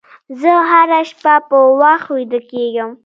زه هره شپه په وخت ویده کېږم.